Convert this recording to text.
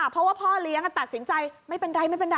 เพราะว่าพ่อเลี้ยงตัดสินใจไม่เป็นไร